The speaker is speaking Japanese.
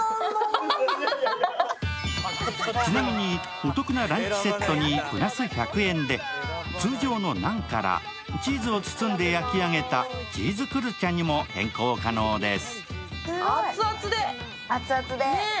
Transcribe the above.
ちなみに、お得なランチセットにプラス１００円で、通常のナンからチーズを包んで焼き上げたチーズクルチャにも変更可能です。